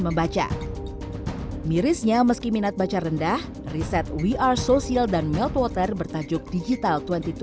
membaca mirisnya meski minat baca rendah riset we are social dan meltwater bertajuk digital